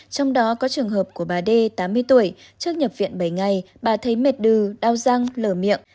trong đó có trường hợp của bà d tám mươi tuổi trước nhập viện bảy ngày bà thấy mệt đừ đau răng lở miệng